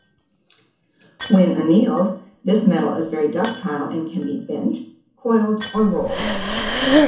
When annealed this metal is very ductile and can be bent, coiled, or rolled.